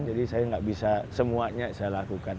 jadi saya nggak bisa semuanya saya lakukan